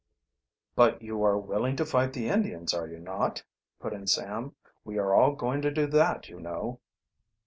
"But you are willing to fight the Indians, are you not?" put in Sam. "We are all going to do that, you know."